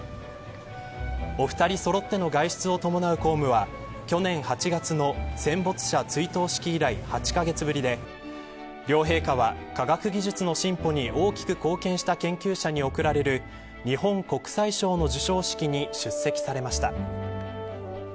お二人そろっての外出を伴う公務は去年８月の戦没者追悼式以来８カ月ぶりで両陛下は科学技術の進歩に大きく貢献した研究者に贈られる日本国際賞の授賞式に出席されました。